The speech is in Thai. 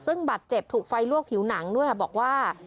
ซึ่งบัตรเจ็บถูกไฟลวกผิวหนังด้วยบอกว่า